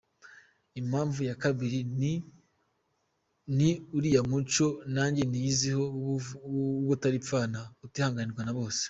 Impamvu ya kabiri ni uriya muco nanjye niyiziho w’ubutaripfana, utihanganirwa na bose.